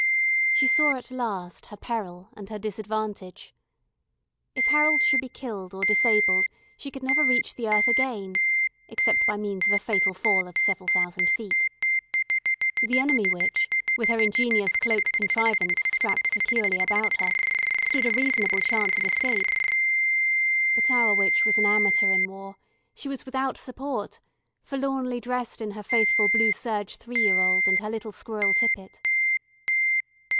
She saw at last her peril and her disadvantage. If Harold should be killed or disabled she could never reach the earth again, except by means of a fatal fall of several thousand feet. The enemy witch, with her ingenious cloak contrivance strapped securely about her, stood a reasonable chance of escape. But our witch was an amateur in War, she was without support, forlornly dressed in her faithful blue serge three year old, and her little squirrel tippet.